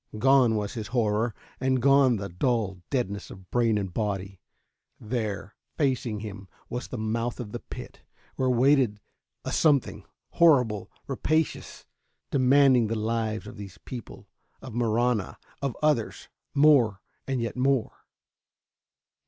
Gone was his horror, and gone the dull deadness of brain and body. There, facing him, was the mouth of the pit, where waited a something horrible, rapacious demanding the lives of these people ... of Marahna ... of others more and yet more.